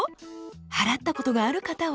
払ったことがある方は？